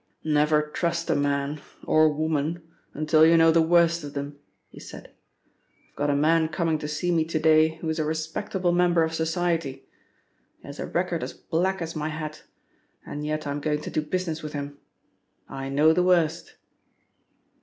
"Never trust a man or woman until you know the worst of them," he said. "I've got a man coming to see me to day who is a respectable member of society. He has a record as black as my hat and yet I'm going to do business with him I know the worst!"